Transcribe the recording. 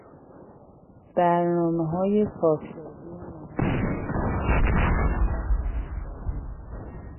برنامههای پاکسازی محلههای فقیر نشین و خانه سازی